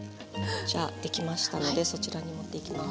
じゃあできましたのでそちらに持っていきます。